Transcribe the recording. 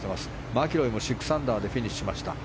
マキロイも６アンダーでフィニッシュしました。